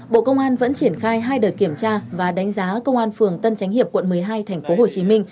bộ công an vẫn triển khai hai đợt kiểm tra và đánh giá công an phường tân chánh hiệp quận một mươi hai tp hcm